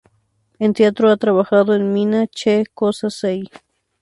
En teatro ha trabajado en "Mina...Che Cosa Sei?